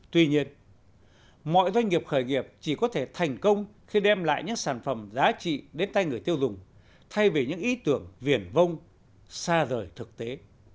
tuy nhiên mọi doanh nghiệp khởi nghiệp chỉ có thể thành công khi đem lại những sản phẩm giá trị đến tay người tiêu dùng thay vì những ý tưởng viển vong xa rời thực tế